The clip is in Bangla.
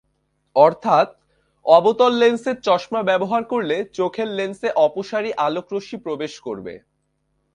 অর্থাত্, অবতল লেন্সের চশমা ব্যবহার করলে চোখের লেন্সে অপসারী আলোকরশ্মি প্রবেশ করবে।